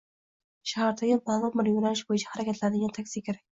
Shahardagi ma’lum bir yo‘nalish bo‘yicha harakatlanadigan taksi kerak.